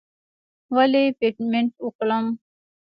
ولې پیمنټ وکړم.